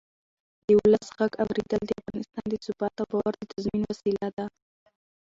د ولس غږ اورېدل د افغانستان د ثبات او باور د تضمین وسیله ده